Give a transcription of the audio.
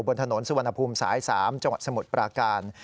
บนถนนสุวรรณภูมิสาย๓จังหวัดสมุทรปราการ